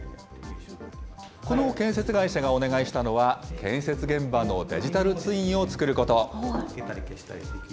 この建設会社がお願いしたのは、建設現場のデジタルツインを作ること。